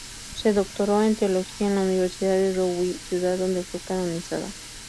Se doctoró en teología en la Universidad de Douai ciudad donde fue canonizado.